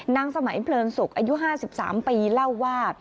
นางสมัยเพลินสุกอายุ๕๓ปีเล่าว่า